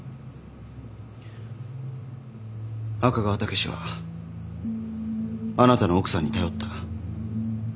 赤川武志はあなたの奥さんに頼った。